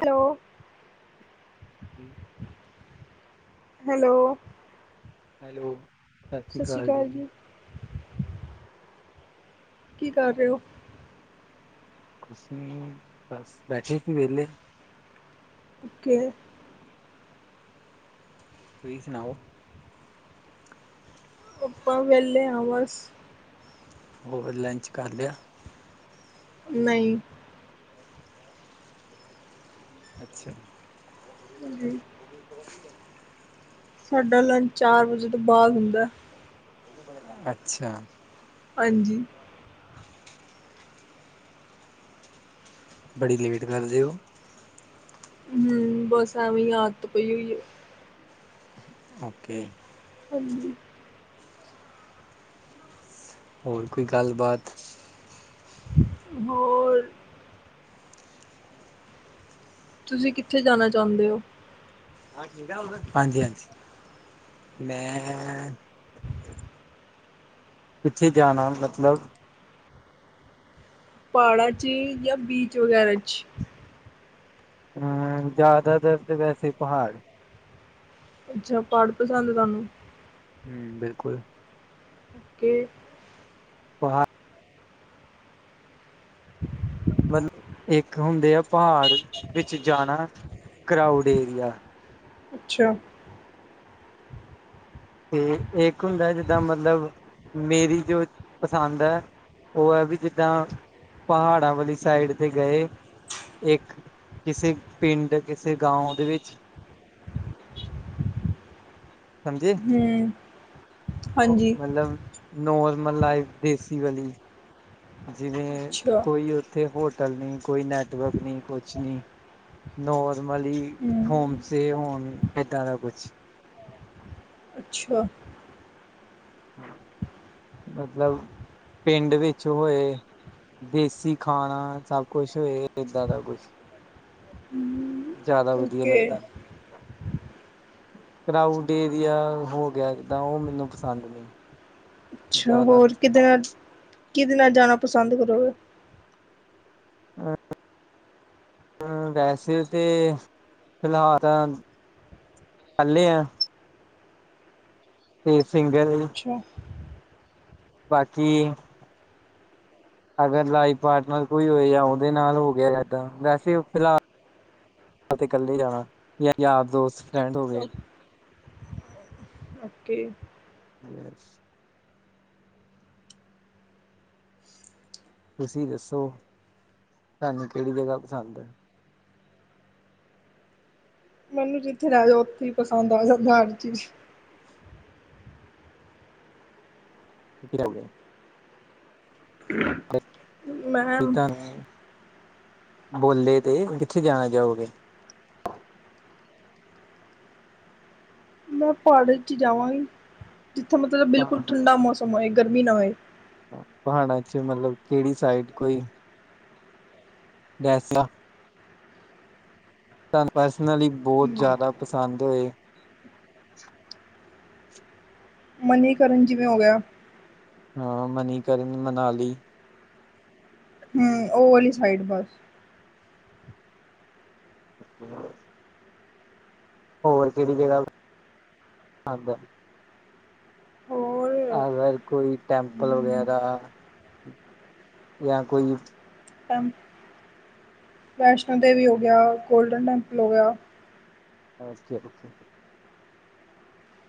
Hello. [unintelligible] Hello. Hello, ਸਾਸੀ ਸਤਿ ਸ਼੍ਰੀ ਕਾਲ ਅਕਾਲ ਜੀ। ਕੀ ਕਾਰ ਰੇ ਓ? ਕੁਸ ਨੀ ਬਾੱਸ, ਬੈਠੇ ਸੀ ਵੇਲੇ। ਓਕੇ। ਤੁਹੀ ਸੁਨਾਓ? ਅਪਾਂ ਵੇਲੇੇ ਆਂ ਵਾੱਸ। ਬ ਹੋਰ ਲੰਚ ਕਰ ਲਿਆ? ਨਈ। ਅੱਛਾ। ਜੀ। ਸਾਡਾ ਲੰਚ ਚਾਰ ਵਜ਼ੇ ਤੋਂ ਬਾਅਦ ਹੁੰਦੈ। ਅੱਛਾ। ਹਾਂਜੀ। ਬੜੀ ਲੇਟ ਕਰਦੇ ਔ। ਹਮ। ਬਸ, ਐਵੇਂ ਈ ਆਦਤ ਪਈ ਹੋਈ ਏ। ਔਕੈ। ਹਾਂਜੀ। ਹੋਰ ਕੋਈ ਗੱਲਬਾਤ? ਹੋਰ ਤੁਸੀਂ ਕਿੱਥੇ ਜਾਣਾ ਚਾੳਦੇ ਔਂ? ' [inaudible] ' ਹਾਂਜੀ-ਹਾਂਜੀ‌। ਮੈਂ ' [inaudible] ਕਿੱਥੇ ਜਾਣਾ, ਮਤਲਬ? ਪਾੜਾਂ 'ਚ ਯਾਂ ਬੀਚ ਵਗ਼ੈਰਾ 'ਚ। ਅਮ। ਜ਼ਿਆਦਾਤਰ ਤੇ ਵੈਸੇ ਪਹਾੜ ਅੱਛਾ, ਪਾੜ ਪਸੰਦ ਤਾਨੂੰ? ਹਮ, ਬਿਲਕੁਲ। ਕਿ ਪਹਾ ' [inaudible] ਮਤਲਬ, ਇੱਕ ਹੁੰਦੇ ਆ ਪਹਾੜ ਵਿੱਚ ਜਾਣਾ, ਕਰਾਊਡ ਏਰੀਆ। ਅੱਛਾ। ਹਮ। ਇੱਕ ਹੁੰਦਾ ਜਿੱਦਾਂ ਮਤਲਬ, ਮੇਰੀ ਜੋ ਪਸੰਦ ਐ। ਓ, ਐ ਵੀ ਜਿੱਦਾਂ ਪਹਾੜਾਂ ਵਾਲੀ ਸਾਈਡ ਤੇ ਗਯੇ। ਇੱਕ ਕਿਸੇ ਪਿੰਡ, ਕਿਸੇ ਗਾਔ ਦੇ ਵਿੱਚ। ਸਮਝੇ। ਹਮ ਔ ਹਾਂਜੀ ਮਲਵ ਨੋਰਮਲ ਲਾਈਫ, ਦੇਸੀ ਵਾਲੀ। ਜਿਵੇਂ ਅੱਛਾ ਕੋਈ ਔ ਥੇ ਹੋਟਲ ਨੀ, ਕੋਈ ਨੈਟਵਰਕ ਨੀ, ਕੁੱਛ ਨੀ। ਨੋਰਮਲੀ ਹੋਮ ਹਮ ਸਏ ਹੋਣ, ਏਦਾਂ ਦਾ ਕੁੱਛ। ਅੱਛਾ। ' [inaudible] ਮਤਲਵ, ਪਿੰਡ ਵਿੱਚ ਹੋਏ। ਦੇਸੀ ਖਾਣਾ ਸਭ ਕੁਛ ਹੋਏ, ਇੱਦਾਂ ਦਾ ਕੁਛ। ਹਮ ਜਾਦਾ ਵਧੀਆ ਓਕੇ ਲੱਗਦੈ। ਕਰਾਊਡ ਏਰੀਆ ਹੋ ਗਿਆ ਜਿੱਦਾਂ, ਔ ਮੈਂਨੂੰ ਪਸੰਦ ਨੀ। ਅੱਛਾ। ਹੋਰ ਕਿਦੇ ਨਾਲ, ਕਿਦੇ ਨਾਲ ਜਾਣਾ ਪਸੰਦ ਕਰੋਗੇ? ' [inaudible] ਅਮ, ਵੈਸੇ ਤੇ ਫਿਲਹਾਲ ਤਾਂ ਕੱਲੇ ਆ। ਤੇ ਸਿੰਗਲ ਹੀ, ਛਾ ਬਾਕੀ ਅਗਰ ਲਾਈਫ ਪਾਰਟਨਰ ਕੋਈ ਹੋਏ ਜਾਂ ਉਹਦੇ ਨਾਲ ਹੋ ਗਿਆ ਇਦਾਂ, ਵੈਸੇ ਫਿਲਹਾਲ ਮੈ ਤੇ ਕੱਲੀ ਜਾਣਾ ਜਾ ਯਾਰ ਦੋਸਤ ਫਰੈਂਡ ਹੋਵੇ। ਓਕੇ। [unintelligible] ਤੁਸੀਂ ਦੱਸੋ, ਤਾਨੂੰ ਕਿਹੜੀ ਜਗਾ ਪਸੰਦ ਐ। ਮੈਨੂੰ ਜਿੱਥੇ ਲੈਹਿ ਜੋ ਉੱਥੇ ਈ ਪਸੰਦ ਆ ਜਾਂਦਾ ਹਰ ਚੀਜ਼। ਕਿੱਥੇ ਰਹਿੰਦੇ ਓ? ਅਗਰ ਮੈਂ, ਕੋਈ ਤਾਨੂੰ, ਬੋਲੇ ਤੇ ਕਿੱਥੇ ਜਾਣਾ ਚਾਹੋਗੇ। ਮੈਂ ਪਹਾੜਾਂ 'ਚ ਜਾਵਾਂਗੀ, ਜਿੱਥੇ ਮਤਲਬ ਬਿਲਕੁਲ ਠੰਡਾ ਮੌਸਮ ਹੋਏ ਗਰਮੀ ਨਾ ਹੋਏ। ਪਹਾੜਾਂ ਚ ਮਤਲਬ ਕੇੜੀ ਸਾਈਡ ਕੋਈ ਵੈਸੇ ਤੁਹਾਨੂੰ ਪਰਸਨਲੀ ਬਹੁਤ ਜ਼ਿਆਦਾ ਪਸੰਦ ਹੋਏ। ਮਨੀਕਰਨ ਜਿਵੇ ਹੋ ਗਿਆ। ਹਾਂ ਮਨੀਕਰਨ, ਮਨਾਲੀ ਹੂੰ ਉਹ ਵਾਲੀ ਸਾਈਡ ਬਸ। [inaudible] ਹੋਰ ਕੇਹੜੀ ਜਗ੍ਹਾ, ‍ਪਸੰਦ ਐ? ਹੋਰ ਅਗਰ ਕੋਈ ਟੈਂਪਲ ਵਗੈਰਾ ਜਾਂ ਕੋਈ ਟੈਂਪ ਵੈਸ਼ਨੂੰ ਦੇਵੀ ਹੋ ਗਿਆ, ਗੋਲਡਨ ਟੈਂਪਲ ਹੋ ਗਿਆ। Okay okay.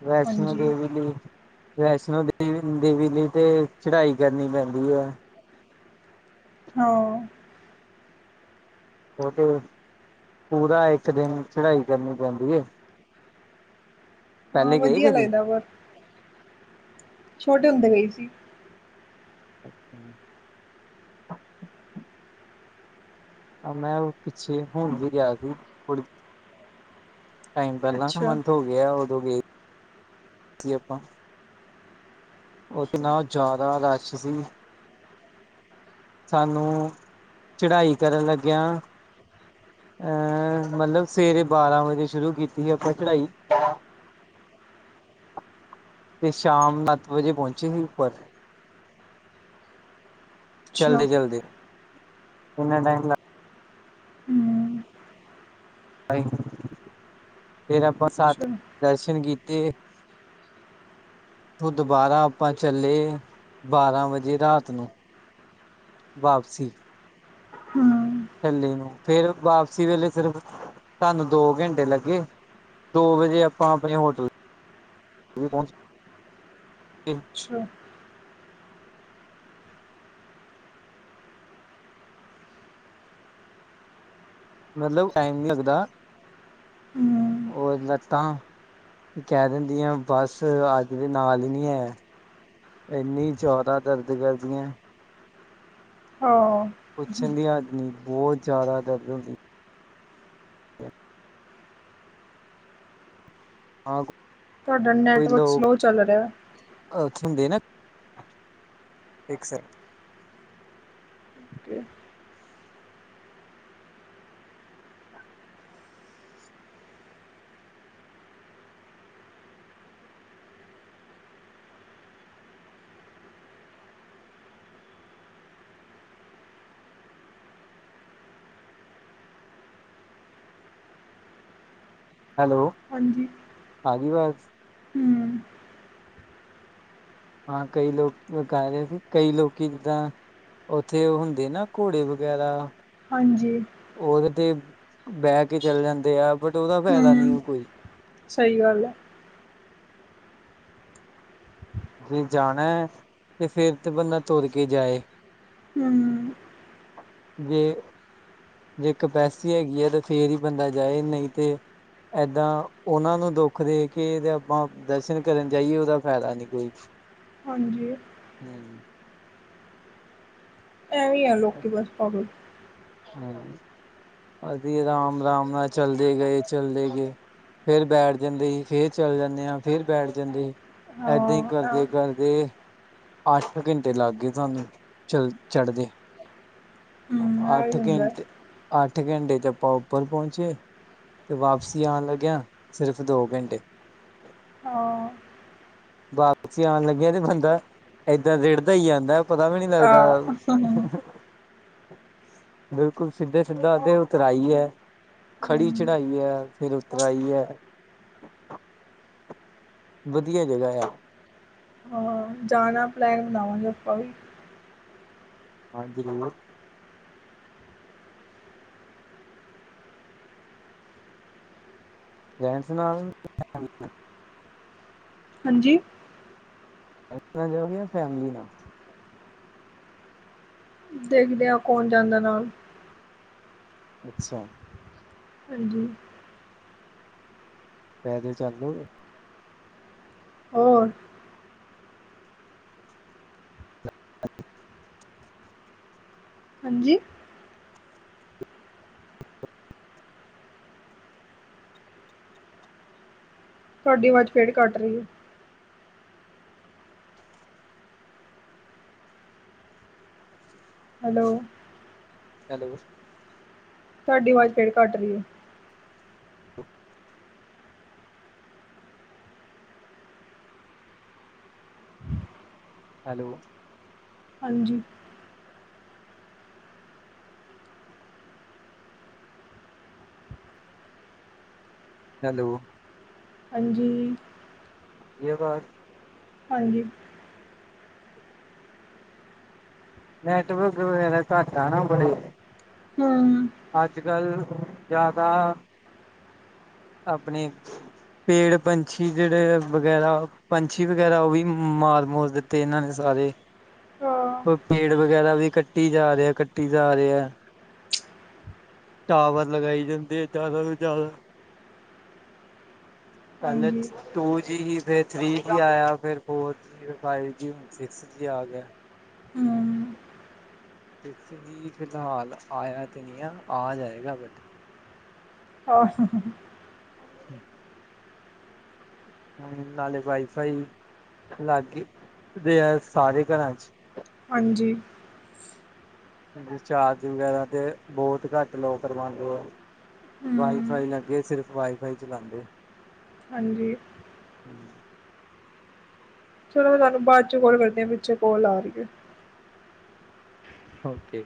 ਵੈਸ਼ਨੂੰ ਹਾਂਜੀ। ਦੇਵੀ ਲਈ ਵੈਸ਼ਨੂੰ ਦੇਵੀ-ਦੇਵੀ ਲਈ ਤੇ ਚੜਾਈ ਕਰਨੀ ਪੈਂਦੀ ਐ। ਹਾਂ। ਉਹ ਤੇ, ਪੂਰਾ ਇੱਕ ਦਿਨ ਚੜਾਈ ਕਰਨੀ ਪੈਂਦੀ ਐ। ਹਾਂ ਗਏ ਵਧੀਆ ਕਦੀ ਲੱਗਦਾ ਪਰ ਛੋਟੇ ਹੁੰਦੇ ਗੇ ਸੀ। ਅੱਛਾ ਜੀ। ਐਵੇ ਨਾ ਮੈ ਪਿੱਛੇ ਹੋਰ ਦੇ ਗਿਆ ਸੀ ਥੋੜੀ ਟਾਈਮ ਪਹਿਲਾਂ ਦਾ ਅੱਛਾ, ਮੰਥ ਹੋ ਗਿਆ ਉਦੋਂ ਗਏ ਸੀ ਆਪਾਂ। ਇਤਨਾ ਅੱਛਾ, ਜ਼ਿਆਦਾ ਰਸ਼ ਸੀ ਸਾਨੂੰ ਚੜ੍ਹਾਈ ਕਰਨ ਲੱਗਿਆ ਅਹ ਮਤਲਬ ਸਵੇਰੇ ਬਾਰਾਂ ਵਜੇ ਸ਼ੁਰੂ ਕੀਤੀ ਸੀ ਆਪਾਂ ਚੜ੍ਹਾਈ ਤੇ ਸ਼ਾਮ ਸੱਤ ਵੱਜੇ ਪਹੁੰਚੇ ਸੀ ਉੱਪਰ। ਅੱਛਾ, ਚਲਦੇ- ਚਲਦੇ ਇਨਾ ਟਾਈਮ ਲੱਗ ਹੂੰ ਟਾਈਮ, ਫਿਰ ਆਪਾਂ ਸੱਤ ਅੱਛਾ, ਵੱਜੇ ਦਰਸ਼ਨ ਕੀਤੇ। ਉਥੋ ਦੁਬਾਰਾ ਆਪਾਂ ਚੱਲੇ ਆ, ਬਾਰਾਂ ਵੱਜੇ ਰਾਤ ਨੂੰ ਵਾਪਸੀ, ਹੂੰ, ਥੱਲੇ ਨੂੰ ਫੇਰ ਵਾਪਸੀ ਵੇਲੇ ਸਿਰਫ ਸਾਨੂੰ ਦੋ ਘੰਟੇ ਲੱਗੇ ਦੋ ਵਜੇ ਆਪਾਂ ਆਪਣੇ ਹੋਟਲ [unintelligible] ਪਹੁੰਚੇ [inaudible] ਅੱਛਾ। ਮਤਲਬ ਟਾਈਮ ਨੀ ਲੱਗਦਾ ਹੂੰ। ਔਰ ਲੱਤਾਂ ਵੀ ਕੈ ਦਿੰਦੀਆਂ ਬਸ ਅੱਜ ਦੇ ਨਾਲ ਨੀ ਐ। ਏਨੀਂ ਚੌਦਾਂ ਦਰਦ ਕਰਦੀਐਂ। ਹਾਂ। ਪੁੱਛਨ ਦੀਆਂ ਆਦਮੀ ਬੋਤ ਜਾਦਾ ਦਰਦ ਹੁੰਦੀਐ। ਆਂ ਤੁਆਡਾ ਨੈੱਟਵਰਕ ਸਲੋ ਚੱਲ ਰਿਐ। [unintelligible] ਹੁੰਦੇ ਨਾ। ਏੱਕ ਸੈਕੰਡ। Okay hello. ਹਾਂਜੀ। ਆਗੀ ਵਾਜ? ਹੂੰ। ਹਾਂ ਕਈ ਲੋਕ ਏ ਕੈ ਰੇ ਸੀ, ਕਈ ਲੋਕੀ ਜਿੱਦਾਂ ਓਥੇ ਓ ਹੁੰਦੇ ਨਾ ਘੋੜੇ ਵਗੈਰਾ ਹਾਂਜੀ। ਓ ਕਿਤੇ ਬੈ ਕੇ ਚੱਲ ਜਾਂਦੇ ਆ ਬਟ ਓਦਾ ਫੈਦਾ ਨੀ ਓ ਕੋਈ। ਸਈ ਗੱਲ ਐ। ਜੇ ਜਾਨੈ ਤੇ ਫੇਰ ਤੇ ਬੰਦਾ ਤੋਰ ਕੇ ਜਾਏ ਹੂੰ। ਜੇ, ਜੇ ਕਪੈਸਟੀ ਹੈਗੀ ਆ ਤਾਂ ਫੇਰ ਈ ਬੰਦਾ ਜਾਏ ਨਈ ਤੇ ਐਦਾਂ ਓਨਾਂ ਨੂੰ ਦੁੱਖ ਦੇ ਕੇ ਤੇ ਆਪਾਂ ਦਰਸ਼ਨ ਕਰਨ ਜਾਈਏ ਓਦਾ ਫੈਦਾ ਨੀ ਕੋਈ। [unintelligible] ਹਾਂਜੀ। ਹੂੰ। ਐਵੀਂ ਐ ਲੋਕੀ ਬਸ ਪਾਗਲ। ਹੂੰ। ਅਸੀ ਰਾਮ-ਰਾਮ ਨਾਲ ਚੱਲਦੇ ਗਏ, ਚੱਲਦੇ ਗੇ। ਫੇਰ ਬੈਠ ਜਾਂਦੇ ਹੀ, ਫੇਰ ਚੱਲ ਜਾਂਨੇ ਆਂ, ਫੇਰ ਬੈਠ ਜਾਂਦੇ ਹੀ। ਹਾਂ ਐਦਾਂ ਈ ਐ ਕਰਦੇ-ਕਰਦੇ ਅੱਠ ਕ ਘੰਟੇ ਲੱਗ ਗਏ ਤੁਆਨੂੰ ਚਲ ਚੜ੍ਹਦੇ। ਹੂੰ ਅ ਅੱਠ ਐਵੇਂ ਹੁੰਦਾ ਹਾਂ ਘੰਟੇ ਅੱਠ ਘੰਟੇ 'ਚ ਆਪਾਂ ਉੱਪਰ ਪਉਂਚੇ ਤੇ ਵਾਪਸੀ ਆਨ ਲੱਗਿਆਾਂ ਸਿਰਫ਼ ਦੋ ਘੰਟੇ ਹਾਂ। ਵਾਪਸੀ ਆਨ ਲੱਗਿਐਂ ਤੇ ਬੰਦਾ ਏਦਾਂ ਰਿੜਦਾ ਈ ਆਦੈ। ਪਤਾ ਵੀ ਨੀ ਹਾਂ ਆ ਲੱਗਦਾ। ਹੂੰ, ਬਿਲਕੁਲ ਸਿੱਧੇ, ਸਿੱਧਾ ਅੱਗਿਓਂ ਉਤਰਾਈ ਐ। ਹਾਂ ਖੜੀ ਚੜ੍ਹਾਈ ਐ ਫੇਰ ਉਤਰਾਈ ਐ। ਵਧੀਆ ਜਗ੍ਹਾ ਐਆ। ਜਾਨਾ ਪਲੈਨ ਬਨਾਵਾਂਗੇ ਆਪਾਂ ਵੀ। ਹਾਂਜੀ [unintelligible] ਫਰੈਂਡਸ ਨਾਲ [unintelligible] ਹਾਂਜੀ। ਫਰੈਂਡਸ ਨਾਲ ਜਾਓਗੇ ਯਾਂ ਫੈਮਲੀ ਨਾਲ? ਦੇਖਦੇ ਆਂ ਕੌਣ ਜਾਂਦਾ ਨਾਲ, ਅੱਛਾ ਹਾਂਜੀ ਪੈਦਲ ਚੱਲ ਲੋਗੇ ਹੋਰ ਹਾਂਜੀ ਤੁਹਾਡੀ ਆਵਾਜ਼ ਫੇੜ ਕਟ ਰਹੀ ਹੈ ਹੈਲੋ, ਹੈਲੋ ਤੁਹਾਡੀ ਆਵਾਜ਼ ਫੇਰ ਕਟ ਰਹੀ ਹੈ, ਹੈਲੋ। ਹਾਂਜੀ। ਹੈਲੋ। ਹਾਂਜੀ। [unintelligible] ਹਾਂਜੀ। ਨੈਟਵਰਕ ਵਗੈਰਾ ਘੱਟ ਆ ਨਾ ਬੜੇ। ਹੂ ਅੱਜਕਲ ਜਿਆਦਾ ਆਪਣੇ ਪੇੜ ਪੰਛੀ ਜਿਹੜੇ ਵਗੈਰਾ ਪੰਛੀ ਵਗੈਰਾ ਉਹ ਵੀ ਮਾਰ ਮੁਰ ਦਿੱਤੇ ਤੇ ਇਹਨਾਂ ਨੇ ਸਾਰੇ, ਹਾਂ ਪੇੜ ਵਗੈਰਾ ਵੀ ਕੱਟੀ ਜਾ ਰਹੇ ਐ, ਕੱਟੀ ਜਾ ਰਹੇ ਐ। ਟਾਵਰ ਲਗਾਈ ਜਾਂਦੇ ਹੈ ਜ਼ਿਆਦਾ ਤੋਂ ਜ਼ਿਆਦਾ ਹਾਂਜੀ ਪੈਲੇਸ ਟੂ ਜੀ ਸੀ, ਫੇਰ ਥ੍ਰਰੀ ਜੀ ਆਇਆ, ਫਿਰ ਫੋਰ ਜੀ ਫੇਰ ਫਾਈਵ ਜੀ ਸਿਕਸ ਜੀ ਆ ਗਿਆ। ਹੂ ਸਿਕਸ ਜੀ, ਫਿਲਹਾਲ ਆਇਆ ਤੇ ਨਹੀਂ ਐ, ਆ ਜਾਏਗਾ ਬਟ। ਆਹ ਨਾਲੇ ਵਾਈ ਫਾਈ ਲਾਗ ਗੀ, ਇਥੇ ਐ ਸਾਰੇ ਘਰਾਂ ਚ। ਹਾਂਜੀ। ਰਿਚਾਰਜ ਵਗੈਰਾ ਤੇ ਬਹੁਤ ਘੱਟ ਲੋਗ ਕਰਵਾਂਦੇ ਐ ਹਮ ਵਾਈਫਾਈ ਲੱਗੇ, ਸਿਰਫ ਵਾਈਫਾਈ ਚਲਾਉਂਦੇ। ਹਾਂਜੀ। ਹਮ [inaudible] ਚਲੋ ਮੈਂ ਤੁਹਾਨੂੰ ਬਾਅਦ ਚੋਂ ਕੋੋਲ ਕਰਦੀ ਹਾਂ, ਪਿਛੇ ਕੋਲ ਆ ਰਹੀ ਹੈ। ਓਕੇ।